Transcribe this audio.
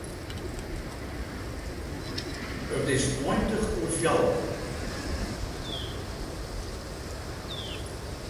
It is tweintich oer fjouweren.